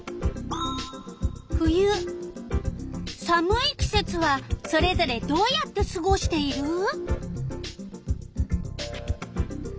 寒い季節はそれぞれどうやってすごしている？